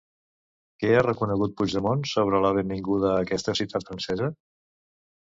Què ha reconegut Puigdemont sobre la benvinguda a aquesta ciutat francesa?